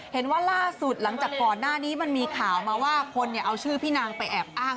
เห็นว่าล่าสุดหลังจากก่อนหน้านี้มันมีข่าวมาว่าคนเอาชื่อพี่นางไปแอบอ้าง